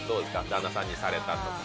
旦那さんにされたとか。